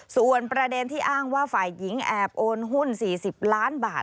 ส่วนประเด็นที่อ้างว่าฝ่ายหญิงแอบโอนหุ้น๔๐ล้านบาท